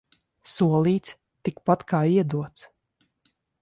Solīts – tikpat kā iedots.